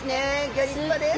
ギョ立派です。